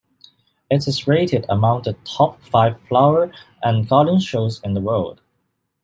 It is rated among the top five flower and garden shows in the world.